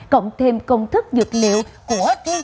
cộng thêm công thức dược liệu